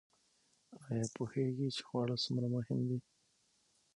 ایا پوهیږئ چې خواړه څومره مهم دي؟